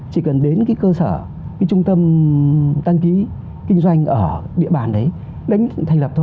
chỉ cần đến cái cơ sở cái trung tâm đăng ký kinh doanh ở địa bàn đấy đánh thành lập thôi